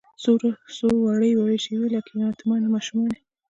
څووړې، وړې شیبې لکه یتیمې ماشومانې